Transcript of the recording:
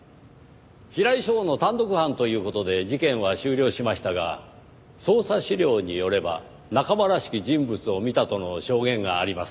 平井翔の単独犯という事で事件は終了しましたが捜査資料によれば「仲間らしき人物を見た」との証言があります。